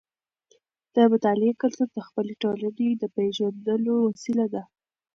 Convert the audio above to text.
د مطالعې کلتور د خپلې ټولنې د پیژندلو وسیله ده.